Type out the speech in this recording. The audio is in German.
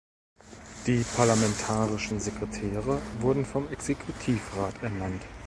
Die parlamentarischen Sekretäre wurden vom Exekutivrat ernannt.